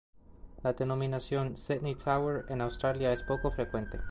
La denominación "Sydney Tower" en Australia es poco frecuente.